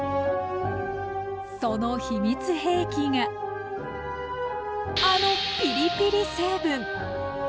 その秘密兵器があのピリピリ成分。